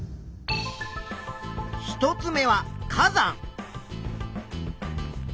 １つ目は火山。